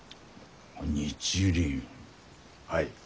はい。